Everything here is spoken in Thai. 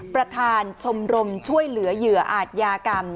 ประธานชมรมช่วยเหลือเหยื่ออาจยากรรม